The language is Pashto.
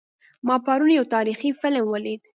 ما پرون یو تاریخي فلم ولید